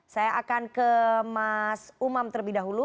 saya akan ke mas umam terlebih dahulu